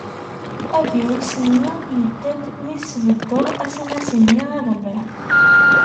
Avrius-nni yedda-d mi tesbeddeḍ asnas-nni iḍelli.